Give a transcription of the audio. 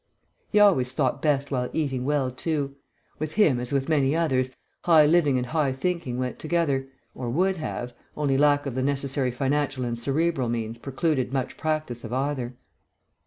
He always thought best while eating well too; with him, as with many others, high living and high thinking went together, or would have, only lack of the necessary financial and cerebral means precluded much practice of either.